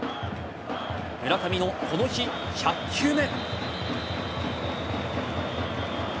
村上のこの日、１００球目。